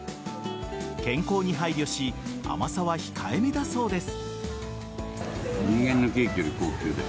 健康に配慮し甘さは控えめだそうです。